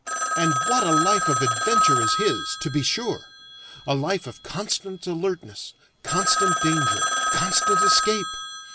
And what a life of adventure is his, to be sure! A life of constant alertness, constant danger, constant escape!